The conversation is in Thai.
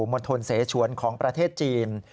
มณฑลเสชวนของประเทศจีน